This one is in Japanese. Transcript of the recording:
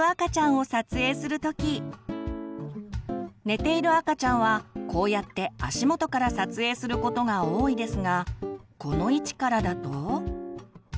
寝ている赤ちゃんはこうやって足元から撮影することが多いですがこの位置からだと。